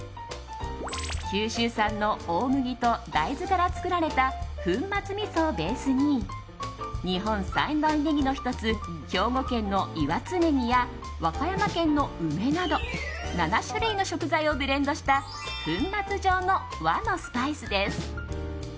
九州産の大麦と大豆から作られた粉末みそをベースに日本三大ネギの１つ兵庫県の岩津ねぎや和歌山県の梅など７種類の食材をブレンドした粉末状の和のスパイスです。